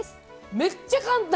めっちゃ簡単！